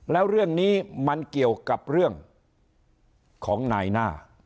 แล้วเรื่องนี้มันเกี่ยวกับเรื่องของนายหน้า